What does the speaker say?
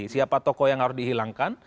siapa tokoh yang harus dihilangkan